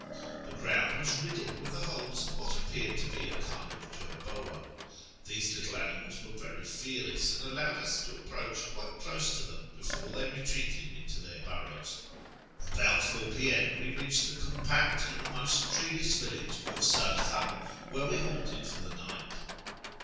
The ground was riddled with the holes of what appeared to be a kind of jerboa. These little animals were very fearless, and allowed us to approach quite close to them before they retreated into their burrows. About 4 P.M. we reached the compact and almost treeless village of Sarcham, where we halted for the night.